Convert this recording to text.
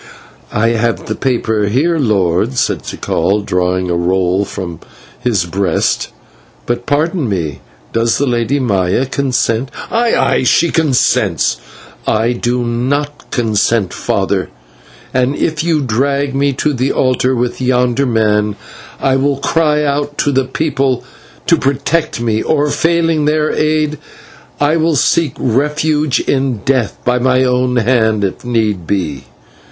"I have the paper here, lord," said Tikal, drawing a roll from his breast; "but, pardon me, does the Lady Maya consent?" "Aye, aye, she consents." "I do /not/ consent, father, and if you drag me to the altar with yonder man, I will cry out to the people to protect me, or, failing their aid, I will seek refuge in death by my own hand if need be."